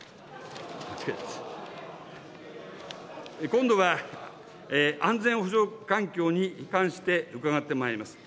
今度は、安全保障環境に関して伺ってまいります。